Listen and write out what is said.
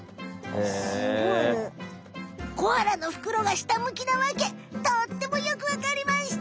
コアラのふくろが下むきなわけとってもよくわかりました！